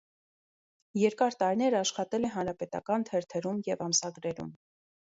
Երկար տարիներ աշխատել է հանրապետական թերթերում ու ամսագրերում։